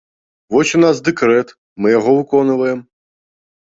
Вось у нас дэкрэт, мы яго выконваем.